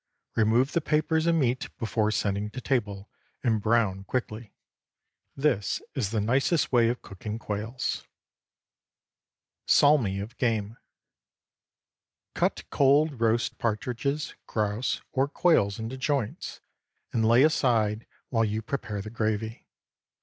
Remove the papers and meat before sending to table, and brown quickly. This is the nicest way of cooking quails. SALMI OF GAME. Cut cold roast partridges, grouse, or quails into joints, and lay aside while you prepare the gravy.